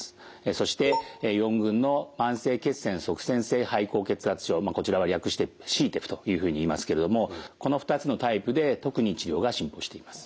そして４群のこちらは略してＣＴＥＰＨというふうにいいますけれどもこの２つのタイプで特に治療が進歩しています。